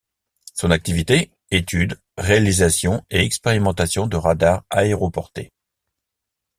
Son activité: étude, réalisation et expérimentation de radars aéroportés.